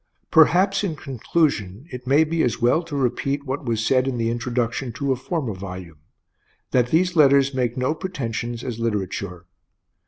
Perhaps, in conclusion, it may be as well to repeat what was said in the introduction to a former volume, that these letters make no pretensions as literature.